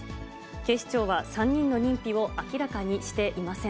警視庁は３人の認否を明らかにしていません。